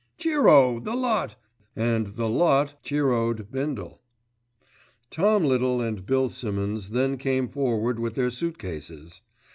Cheero! the lot," and "the lot" cheero d Bindle. Tom Little and Bill Simmonds then came forward with their suit cases.